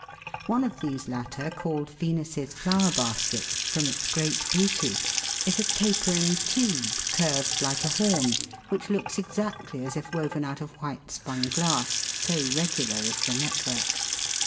One of these latter, called " Venus's Flower basket" (Fig. 31, A), from its great beauty, is a tapering tube curved like a horn, which looks exactly as if woven out of white spun glass, so regular is the network.